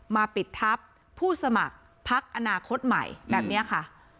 ปิดทัพผู้สมัครพักอนาคตใหม่แบบนี้ค่ะ